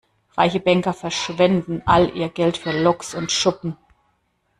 Reiche Banker verschwenden all ihr Geld für Loks und Schuppen.